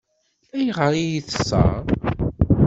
Ayɣer i yi-teṣṣeṛ?